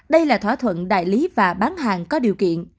đây là thỏa thuận đại lý và bán hàng có điều kiện